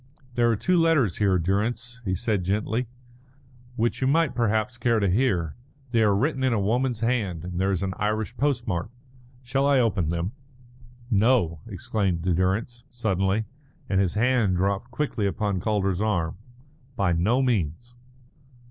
"There are two letters here, Durrance," he said gently, "which you might perhaps care to hear. They are written in a woman's hand, and there is an Irish postmark. Shall I open them?" "No," exclaimed Durrance, suddenly, and his hand dropped quickly upon Calder's arm. "By no means."